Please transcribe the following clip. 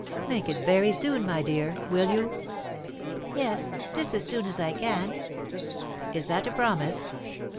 "Make it very soon, my dear, will you?" "Yes just as soon as I can." "Is that a promise?"